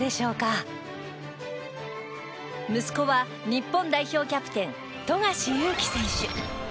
息子は日本代表キャプテン富樫勇樹選手。